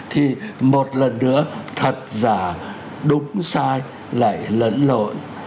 thì một lần nữa thật giả đúng sai lại lẫn lộn